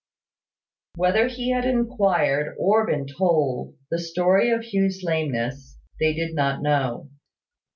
Whether he had inquired, or been told, the story of Hugh's lameness, they did not know.